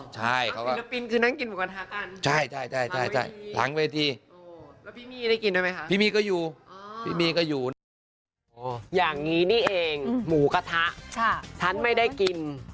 มากพิลิปปินค์คือนั่งกินหมูกระทะกัน